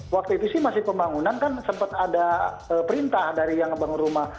waktu itu sih masih pembangunan kan sempat ada perintah dari yang bangun rumah